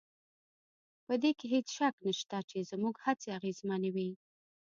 په دې کې هېڅ شک نشته چې زموږ هڅې اغېزمنې وې